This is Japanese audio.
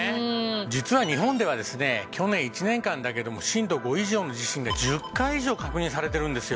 実は日本ではですね去年１年間だけでも震度５以上の地震が１０回以上確認されているんですよ。